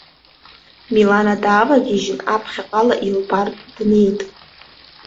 Милана даавагьежьын аԥхьаҟала илбартә днеит.